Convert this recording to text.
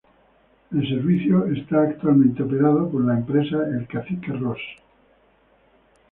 El servicio está actualmente operado por la empresa El Cacique Ros.